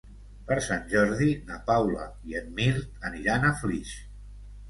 Per Sant Jordi na Paula i en Mirt aniran a Flix.